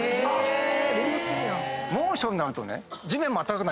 へぇ！